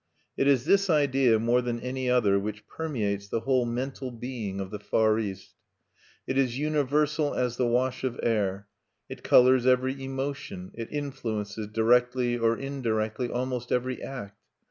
It is this idea, more than any other, which permeates the whole mental being of the Far East. It is universal as the wash of air: it colors every emotion; it influences, directly or indirectly, almost every act.